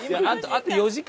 あと４時間。